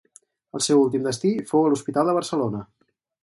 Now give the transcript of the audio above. El seu últim destí fou a l'hospital de Barcelona.